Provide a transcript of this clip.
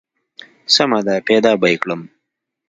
سمه ده پيدا به يې کم.